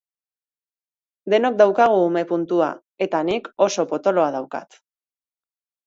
Denok daukagu ume puntua, eta nik oso potoloa daukat!